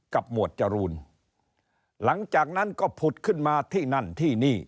หมวดจรูนหลังจากนั้นก็ผุดขึ้นมาที่นั่นที่นี่